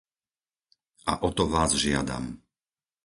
A o to vás žiadam.